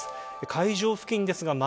会場付近です。